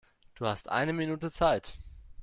Du hast eine Minute Zeit.